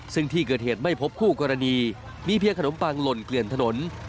ซึ่งที่เกิดเหตุไม่พบคู่กรณีมีเพียงขนมปังหล่นเกลื่อนถนน